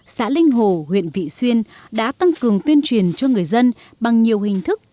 xã linh hồ huyện vị xuyên đã tăng cường tuyên truyền cho người dân bằng nhiều hình thức